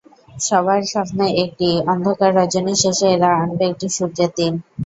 সবার স্বপ্ন একটিই, অন্ধকার রজনীর শেষে এরা আনবে একটি সূর্যের দিন।